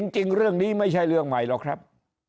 จริงเรื่องนี้ไม่ใช่เรื่องใหม่หรอกครับ